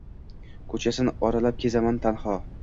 Ko‘chasin oralab kezaman tanho.